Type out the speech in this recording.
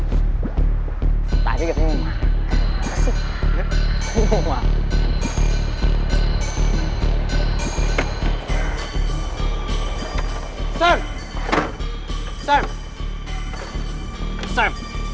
gue gak akan tinggir